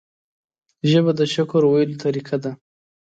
ژبه د شکر ویلو طریقه ده